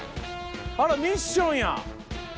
あらミッションや。